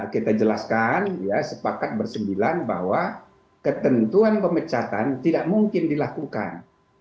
kita jelaskan sepakat bersembilan bahwa ketentuan pemecatan tidak mungkin dilakukan